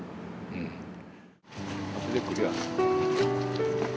うん。